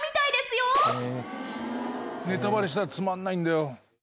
伊集院：ネタバレしたらつまんないんだよ。